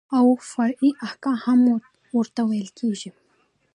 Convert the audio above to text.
او فرعي احکام هم ورته ويل کېږي.